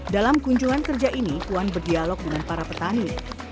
dalam kunjungan kerja ini puan berdialog dengan para petani